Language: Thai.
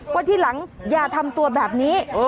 ทีหลังอย่าทำตัวแบบนี้